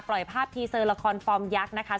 ภาพทีเซอร์ละครฟอร์มยักษ์นะคะ